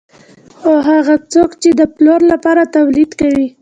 خو هغه څوک چې د پلور لپاره تولید کوي